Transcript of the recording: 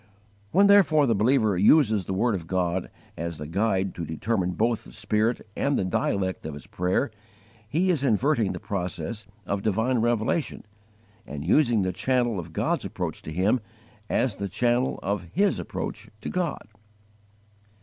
When therefore the believer uses the word of God as the guide to determine both the spirit and the dialect of his prayer, he is inverting the process of divine revelation and using the channel of God's approach to him as the channel of his approach to God.